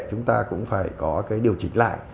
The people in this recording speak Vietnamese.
chúng ta cũng phải có cái điều chỉnh lại